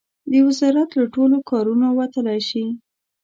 د وزارت له ټولو کارونو وتلای شي.